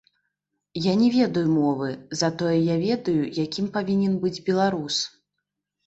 Я не ведаю мовы, затое я ведаю, якім павінен быць беларус.